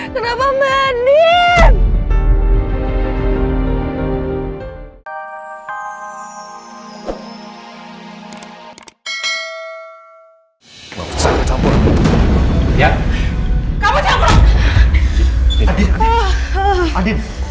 kenapa mbak anin